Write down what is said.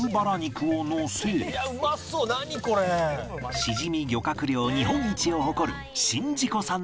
しじみ漁獲量日本一を誇る